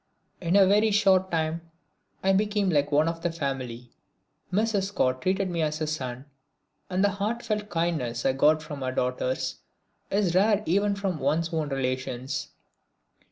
In a very short time I became like one of the family. Mrs. Scott treated me as a son, and the heartfelt kindness I got from her daughters is rare even from one's own relations.